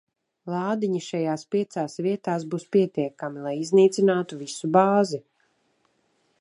Lādiņi šajās piecās vietās būs pietiekami, lai iznīcinātu visu bāzi.